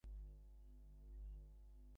একজন বাবার কর্তব্য তার পরিবারকে রক্ষা করা।